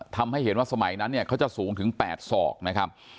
ทำให้เห็นว่าสมัยนั้นเนี่ยเขาจะสูงถึง๘ศอกนะครับ